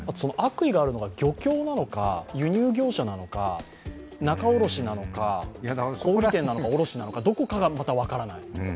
悪意があるのが漁協なのか、輸入業者なのか、仲卸なのか、小売店なのか卸なのかどこかがまた分からない。